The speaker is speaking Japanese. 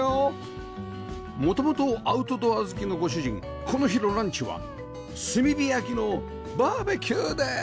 元々アウトドア好きのご主人この日のランチは炭火焼きのバーベキューです